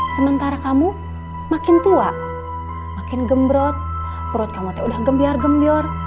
sementara kamu makin tua makin gembrot perut kamu teh udah gembiar gembir